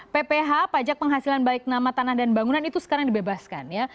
pph pajak penghasilan baik nama tanah dan bangunan itu sekarang dibebaskan ya